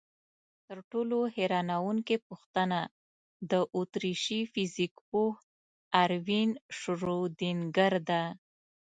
تر ټولو حیرانوونکې پوښتنه د اتریشي فزیکپوه اروین شرودینګر ده.